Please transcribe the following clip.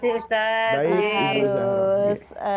terima kasih ustad